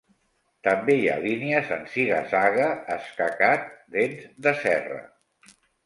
També hi ha línies en ziga-zaga, escacat, dents de serra.